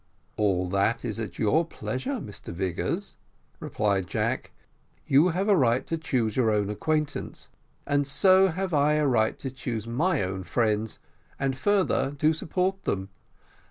"All that is at your pleasure, Mr Vigors," replied Jack, "you have a right to choose your own acquaintance, and so have I a right to choose my own friends, and further, to support them.